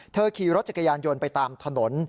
ขี่รถจักรยานยนต์ไปตามถนน